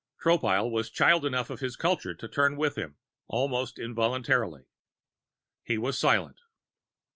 Tropile was child enough of his culture to turn with him, almost involuntarily. He was silent.